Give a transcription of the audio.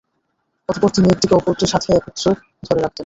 অতঃপর তিনি একটিকে অপরটির সাথে একত্রে ধরে রাখতেন।